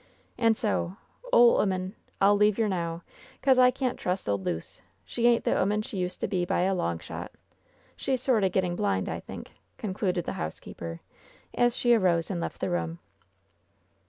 And so, ole 'oman, I'll leave yer now, 'cause I can't trust ole Luce ! She ain't the 'oman she used to be by a long shot. She's sort o' getting blind, I think," concluded the housekeeper, as she arose and left the room.